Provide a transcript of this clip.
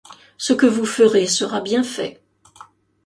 Ce que vous ferez sera bien fait